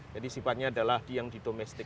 jadi sifatnya adalah yang di domestik